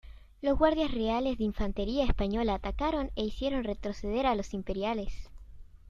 Los Guardias Reales de Infantería española atacaron e hicieron retroceder a los imperiales.